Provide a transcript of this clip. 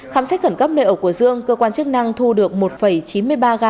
khám sách khẩn cấp nợ của dương cơ quan chức năng thu được một chín mươi ba gam ma túy